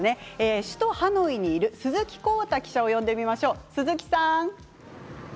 首都ハノイにいる鈴木康太記者を呼んでみましょう。